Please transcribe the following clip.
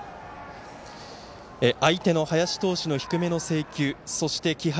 相手の林投手の低めの制球、そして気迫